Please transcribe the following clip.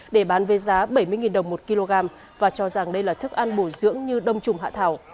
để bán về giá bảy mươi đồng một kg và cho rằng đây là thức ăn bổ dưỡng như đông trùng hạ thảo